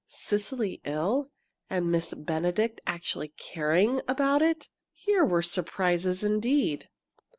Cecily ill and Miss Benedict actually caring about it! Here were surprises indeed!